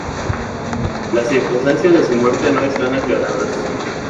Las circunstancia de su muerte no están aclaradas.